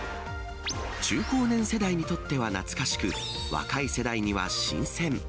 中高年世代にとっては懐かしく、若い世代には新鮮。